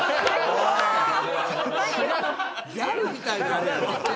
ギャルみたい。